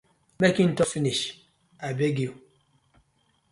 Mek im tok finish abeg yu.